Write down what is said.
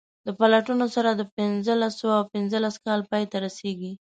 د پلټنو سر د پنځلس سوه پنځلس کال پیل ته رسیږي.